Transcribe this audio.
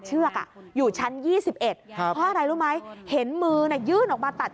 เชือกอ่ะอยู่ชั้นยี่สิบเอ็ดเพราะอะไรรู้ไหมเห็นมือน่ะยื่นออกมาตัด